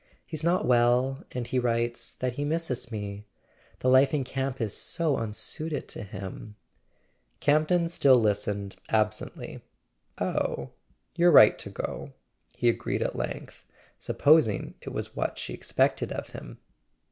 He's not well, and he writes that he misses me. The life in camp is so unsuited to him " Campton still listened absently. "Oh, you're right to go," he agreed at length, supposing it was what she expected of him.